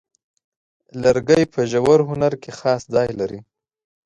لرګی په ژور هنر کې خاص ځای لري.